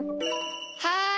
はい？